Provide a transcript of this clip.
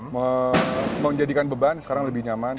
menjadikan beban sekarang lebih nyaman